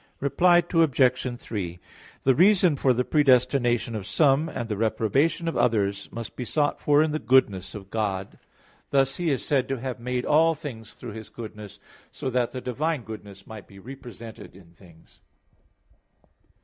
Reply Obj. 3: The reason for the predestination of some, and reprobation of others, must be sought for in the goodness of God. Thus He is said to have made all things through His goodness, so that the divine goodness might be represented in things.